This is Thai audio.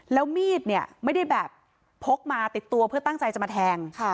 แล้วมีดเนี่ยไม่ได้แบบพกมาติดตัวเพื่อตั้งใจจะมาแทง